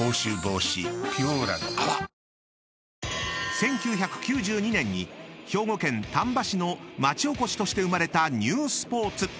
［１９９２年に兵庫県丹波市の町おこしとして生まれた］